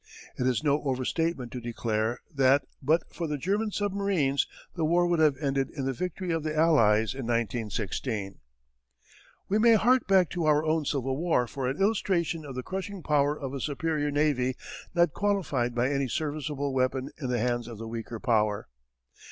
It is no overstatement to declare that but for the German submarines the war would have ended in the victory of the Allies in 1916. We may hark back to our own Civil War for an illustration of the crushing power of a superior navy not qualified by any serviceable weapon in the hands of the weaker power.